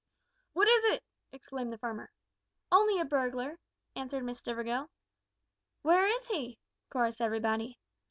"What is it?" exclaimed the farmer. "Only a burglar," answered Miss Stivergill. "Where is he?" chorussed everybody.